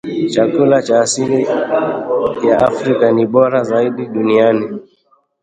Chakula cha asili ya Afrika ni bora zaidi duniani.